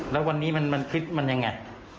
แล้ววันนี้มันคิดมันอย่างไร